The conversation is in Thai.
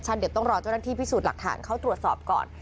เดี๋ยวต้องรอเจ้าหน้าที่พิสูจน์หลักฐานเข้าตรวจสอบก่อน